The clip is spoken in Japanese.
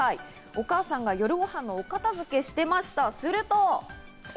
お母さんが夜ごはんのお片付けをしていました、すると。